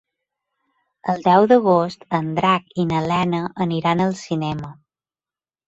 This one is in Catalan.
El deu d'agost en Drac i na Lena aniran al cinema.